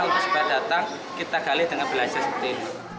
untuk sebaik datang kita gali dengan belajar seperti ini